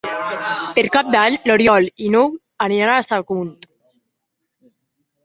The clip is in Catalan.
Per Cap d'Any n'Oriol i n'Hug aniran a Sagunt.